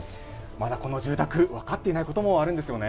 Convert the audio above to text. まだ、この住宅分かっていないこともあるんですよね。